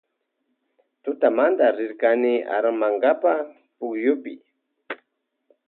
Tutamante rirkanchi armankapa pukyupi.